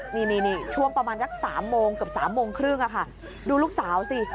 นี่นี่นี่ช่วงประมาณจากสามโมงเกือบสามโมงครึ่งอ่ะค่ะดูลูกสาวสิ